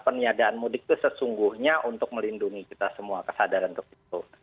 peniadaan mudik itu sesungguhnya untuk melindungi kita semua kesadaran untuk itu